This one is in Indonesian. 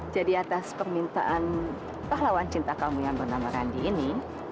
atas permintaan pahlawan cinta kamu yang bernama randy ini